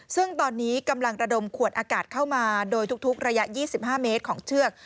ซึ่งตอนนี้กำลังระดมขวดอากาศเข้ามาโดยทุกระยะ๒๕เมตรของเชือก